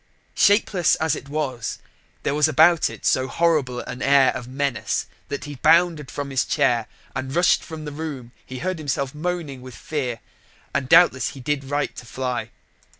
Shapeless as it was, there was about it so horrible an air of menace that as he bounded from his chair and rushed from the room he heard himself moaning with fear: and doubtless he did right to fly.